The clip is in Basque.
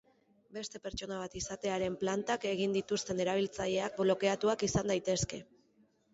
Beste pertsona bat izatearen plantak egiten dituzten erabiltzaileak blokeatuak izan daitezke.